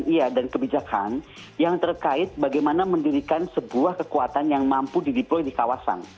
iya dan kebijakan yang terkait bagaimana mendirikan sebuah kekuatan yang mampu dideploy di kawasan